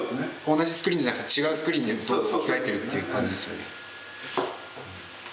同じスクリーンじゃなくて違うスクリーンに置き換えてるっていう感じですよね。